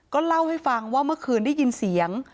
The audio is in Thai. เล่าให้ฟังว่าเมื่อคืนได้ยินเสียง